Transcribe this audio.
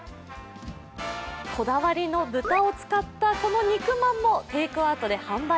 こだわりの豚を使ったこの肉まんもテイクアウトで販売。